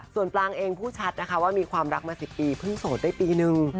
ส่วนปลางเองพูดชัดนะคะว่ามีความรักมา๑๐ปีเพิ่งโสดได้ปีนึง